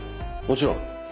もちろん。